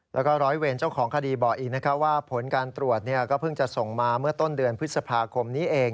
แล้วก็ร้อยเวรเจ้าของคดีบอกอีกนะแค่ว่าผลการตรวจเรื่องพฤษภาคม